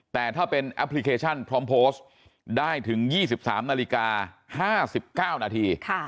แต่ถ้าเป็นแอปพลิเคชันพร้อมโพสต์ได้ถึง๒๓นาฬิกา๕๙นาที